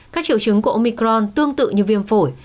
các triệu chứng của omicron tương tự như viêm phổi